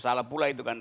salah pula itu kan